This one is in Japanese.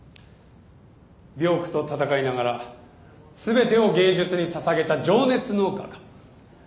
病苦と闘いながら全てを芸術に捧げた情熱の画家。